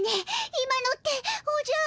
今のっておじゃる。